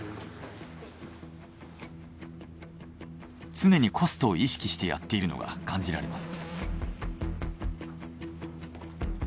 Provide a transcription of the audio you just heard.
常にコストを意識してやっているのが感じられます。